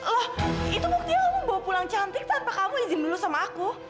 oh itu buktinya kamu bawa pulang cantik tanpa kamu izin dulu sama aku